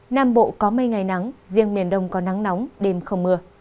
nam bộ có mây ngày nắng riêng miền đông có nắng nóng đêm không mưa